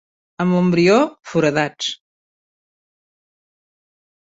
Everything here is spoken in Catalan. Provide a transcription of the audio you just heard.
A Montbrió, foradats.